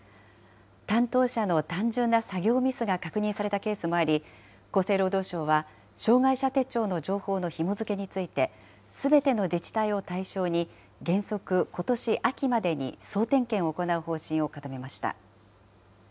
担当者の単純な作業ミスが確認されたケースもあり、厚生労働省は障害者手帳の情報のひも付けについて、すべての自治体を対象に、原則ことし秋までに総点検を行う方針を固めました。